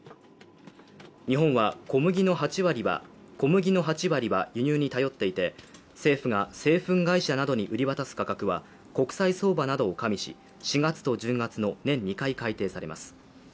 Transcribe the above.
日本は小麦の８割は輸入に頼っていて政府が製粉会社などに売り渡す価格は国際相場などを加味し、４月と１０月の年２回改定されます。